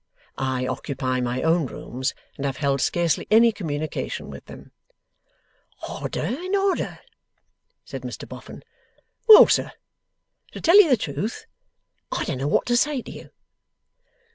I occupy my own rooms, and have held scarcely any communication with them.' 'Odder and odder!' said Mr Boffin. 'Well, sir, to tell you the truth, I don't know what to say to you.